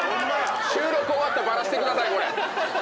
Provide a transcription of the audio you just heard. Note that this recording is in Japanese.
収録終わったらバラしてくださいこれ。